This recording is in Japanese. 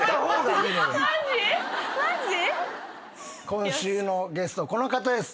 今週のゲストこの方です。